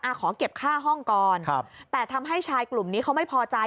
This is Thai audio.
ขอเก็บค่าห้องก่อนครับแต่ทำให้ชายกลุ่มนี้เขาไม่พอใจ